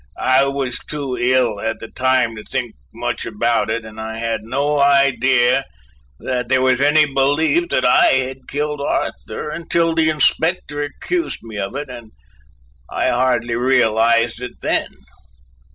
I was too ill at the time to think much about it, and I had no idea that there was any belief that I had killed Arthur until the Inspector accused me of it, and I hardly realized it then."